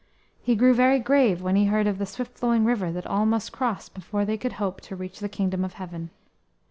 He grew very grave when he heard of the swift flowing river that all must cross before they could hope to reach the Kingdom of Heaven.